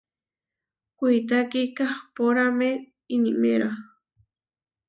Kuitá kikahpórame iniméra.